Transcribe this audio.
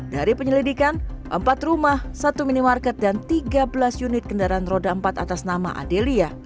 dari penyelidikan empat rumah satu minimarket dan tiga belas unit kendaraan roda empat atas nama adelia